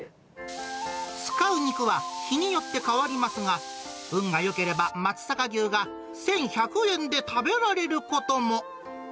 使う肉は、日によって変わりますが、運がよければ松阪牛が１１００円で食べられることも。